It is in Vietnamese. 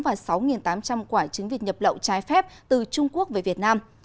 và sáu tám trăm linh quả trứng vịt nhập lậu trái phép từ trung quốc về việt nam